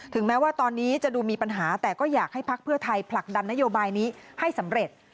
แม้ว่าตอนนี้จะดูมีปัญหาแต่ก็อยากให้ภักดิ์เพื่อไทยผลักดันนโยบายนี้ให้สำเร็จ